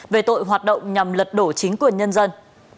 về tội hoạt động nhằm lật đổ chính quyền nhân dân